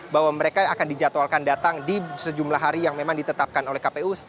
bahwa mereka akan dijadwalkan datang di sejumlah hari yang memang ditetapkan oleh kpu